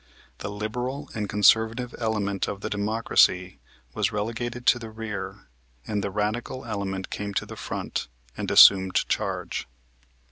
The liberal and conservative element of the Democracy was relegated to the rear and the radical element came to the front and assumed charge.